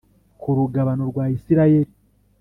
Ku rugabano rwa isirayeli